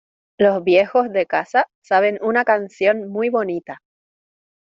Los viejos de casa saben una canción muy bonita.